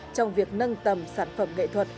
trong việc nâng tầm sản phẩm nghệ thuật